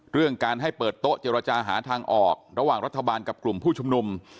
เรื่องการให้เปิดโต๊ะเจรจาหาทางออกระหว่างรัฐบาลกับกลุ่มผู้ชุมนุม